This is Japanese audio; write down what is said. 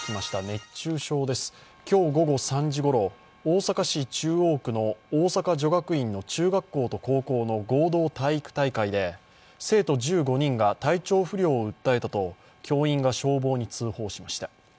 熱中症です、今日午後３時ごろ、大阪市中央区の大阪女学院の中学校と高校の合同体育大会で生徒１５人が体調不良を訴えたと、教員が消防に通報しました。